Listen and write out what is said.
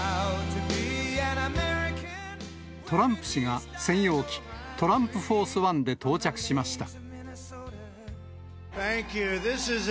トランプ氏が専用機、トランプフォース・ワンで到着しました。